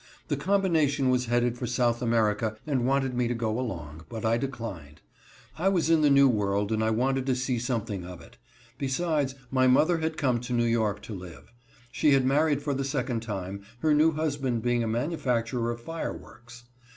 The Combination was headed for South America and wanted me to go along, but I declined. I was in the New World, and I wanted to see something of it. Besides, my mother had come to New York to live. She had married for the second time, her new husband being a manufacturer of fireworks.